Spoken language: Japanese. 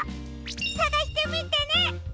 さがしてみてね！